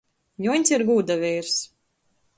Juoņs ir gūda veirs.